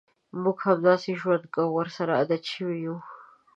موږ همداسې ژوند کوو او ورسره عادت شوي یوو.